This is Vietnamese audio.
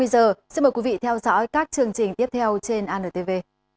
xin mời quý vị theo dõi các chương trình tiếp theo trên anntv